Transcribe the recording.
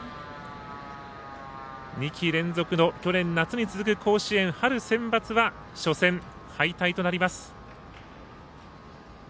２季連続の去年夏に続く甲子園春センバツは初戦敗退となります。